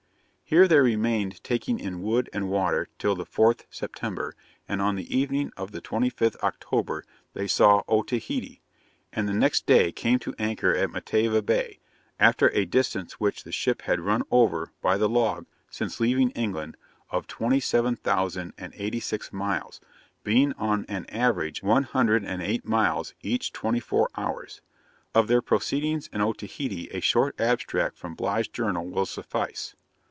Here they remained taking in wood and water till the 4th September, and on the evening of the 25th October they saw Otaheite; and the next day came to anchor in Matavai Bay, after a distance which the ship had run over, by the log, since leaving England, of twenty seven thousand and eighty six miles, being on an average one hundred and eight miles each twenty four hours. Of their proceedings in Otaheite a short abstract from Bligh's Journal will suffice.